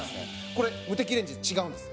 これムテキレンジ違うんです。